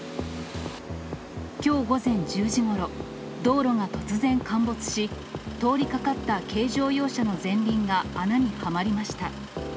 きょう午前１０時ごろ、道路が突然陥没し、通りかかった軽乗用車の前輪が穴にはまりました。